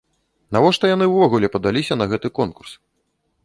Навошта яны ўвогуле падаліся на гэты конкурс?